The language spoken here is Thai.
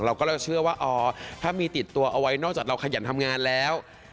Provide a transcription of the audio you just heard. ก็จะเชื่อว่าอ๋อถ้ามีติดตัวเอาไว้นอกจากเราขยันทำงานแล้ว